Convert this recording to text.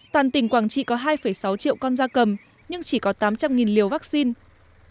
toàn tỉnh quảng trị có hai sáu triệu con da cầm nhưng chỉ có tám trăm linh liều vaccine